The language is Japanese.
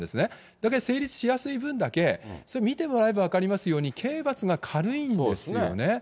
だから成立しやすい分だけ、診てもらえば分かりますように、刑罰が軽いんですよね。